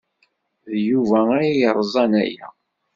D Yuba ay yerẓan aya.